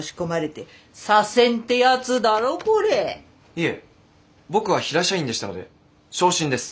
いえ僕は平社員でしたので昇進です。